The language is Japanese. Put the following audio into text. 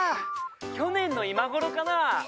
去年の今ごろかな。